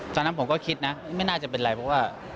ตอนนั้นผมก็คิดนะไม่น่าจะเป็นไรเพราะว่า